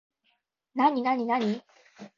なになになに